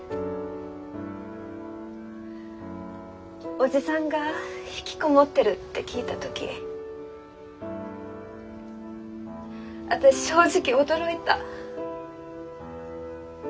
おじさんがひきこもってるって聞いた時私正直驚いた。